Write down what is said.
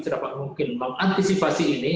sedapat mungkin mengantisipasi ini